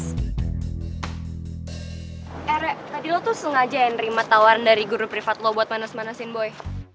eh re tadi lo tuh sengaja yang nerima tawaran dari guru privat lo buat manas manasin boy